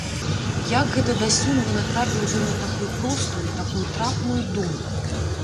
Як гэта дасюль не натрапіў ён на такую простую і такую трапную думку!